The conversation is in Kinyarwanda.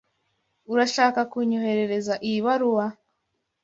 Urashaka kunyoherereza iyi baruwa?